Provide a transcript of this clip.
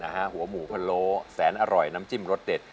หัวหมูพะโล้แสนอร่อยน้ำจิ้มรสเด็ด